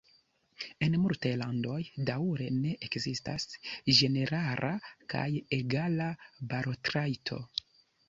En multaj landoj daŭre ne ekzistas ĝenerala kaj egala balotrajto.